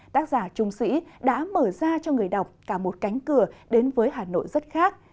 tác giả trung sĩ đã mở ra cho người đọc cả một cánh cửa đến với hà nội rất khác